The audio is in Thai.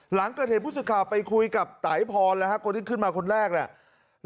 หลังเกิดเห็นพุธศึกาไปคุยกับไตรพรคนที่ขึ้นมาคนแรกเนี่ย